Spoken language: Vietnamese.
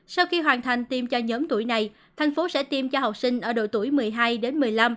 sau khi hoàn thành tiêm cho nhóm tuổi này thành phố sẽ tiêm cho học sinh ở độ tuổi một mươi hai đến một mươi năm